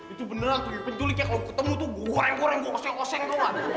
itu beneran tuh ke penculiknya kalau ketemu tuh goreng goreng gokoseng goseng gawat